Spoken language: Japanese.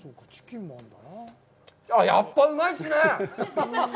やっぱうまいっすね！